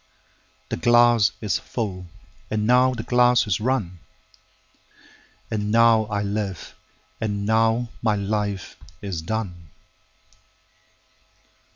17The glass is full, and now the glass is run,18And now I live, and now my life is done.